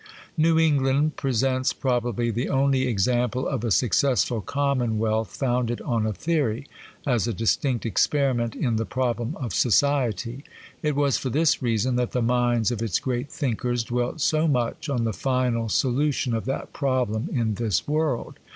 New England presents probably the only example of a successful commonwealth founded on a theory, as a distinct experiment in the problem of society. It was for this reason that the minds of its great thinkers dwelt so much on the final solution of that problem in this world.